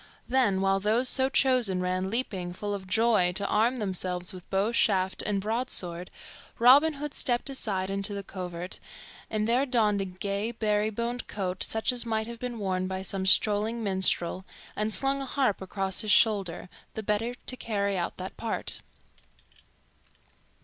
Then, while those so chosen ran leaping, full of joy, to arm themselves with bow and shaft and broadsword, Robin Hood stepped aside into the covert, and there donned a gay, beribboned coat such as might have been worn by some strolling minstrel, and slung a harp across his shoulder, the better to carry out that part.